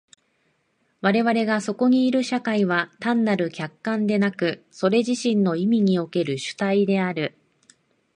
我々がそこにいる社会は単なる客観でなく、それ自身の意味における主体である。